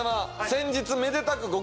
先日めでたくご